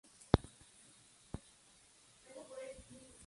Hay testimonios de su estancia en la ciudad de Cabra, Baena y Osuna.